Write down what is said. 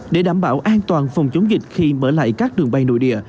để đảm bảo an toàn phòng chống dịch khi mở lại các đường bay nội địa